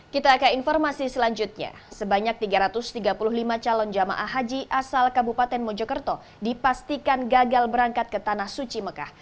kita ke informasi selanjutnya sebanyak tiga ratus tiga puluh lima calon jamaah haji asal kabupaten mojokerto dipastikan gagal berangkat ke tanah suci mekah